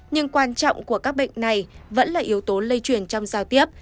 nhưng quan trọng của các bệnh này vẫn là yếu tố lây truyền trong giao tiếp